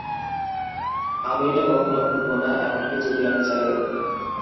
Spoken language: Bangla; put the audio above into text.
আমি এটা কখনো ভুলবো না, এমনকি যদি আমি চাইও।